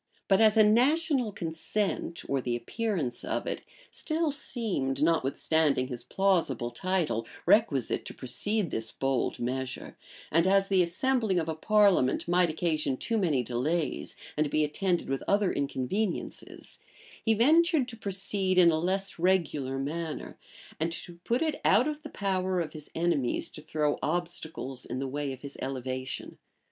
But as a national consent, or the appearance of it, still seemed, notwithstanding his plausible title, requisite to precede this bold measure, and as the assembling of a parliament might occasion too many delays, and be attended with other inconveniences, he ventured to proceed in a less regular manner, and to put it out of the power of his enemies to throw obstacles in the way of his elevation.